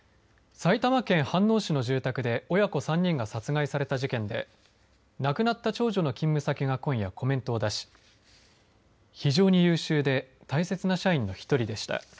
埼玉県飯能市の住宅で親子３人が殺害された事件で亡くなった長女の勤務先が今夜コメントを出し非常に優秀で大切な社員の一人でした。